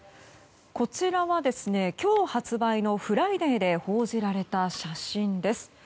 こちらは、今日発売の「ＦＲＩＤＡＹ」で報じられた写真です。